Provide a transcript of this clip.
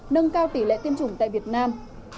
nâng cao tỷ lệ tiêm chủng tại việt nam